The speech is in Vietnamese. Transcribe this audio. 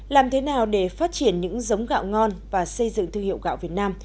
làm thế nào để phát triển những giống gạo ngon và xây dựng thương hiệu gạo việt nam